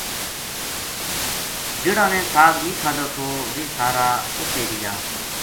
جہڑاں نے ساگ نیہہ کھادو تھو ویہ سارا ات ہی رہیا